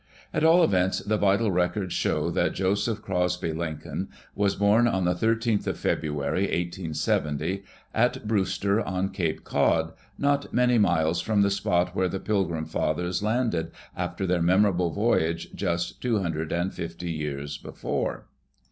At all events, the vital records show that Joseph Crosby Lincoln was born on the 13th of February, 1870, at Brewster on Cape Cod, not many miles from the spot where the Pilgrim Fathers landed after their memorable voyage just two hundred and fifty years before.